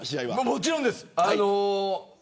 もちろんです。